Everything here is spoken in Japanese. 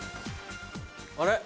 あれ？